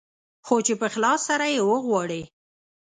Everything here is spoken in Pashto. خو چې په اخلاص سره يې وغواړې.